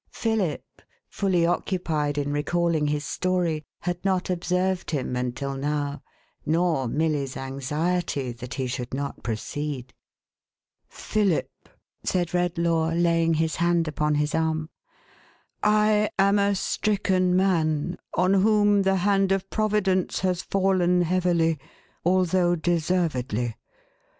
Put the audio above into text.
Philip, fully occupied in recalling his story, had not observed him until nqw, nor Milly's anxiety that he should not proceed. 516 THE HAUNTED MAN7. " Philip !" said Redlaw, laying his hand upon his arm, " I am a stricken man, on whom the hand of Providence has fallen heavily, although deservedly.